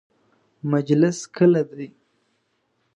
مجلس کله دی؟